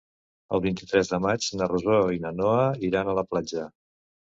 El vint-i-tres de maig na Rosó i na Noa iran a la platja.